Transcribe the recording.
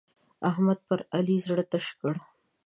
احمد پر علي زړه تش کړ.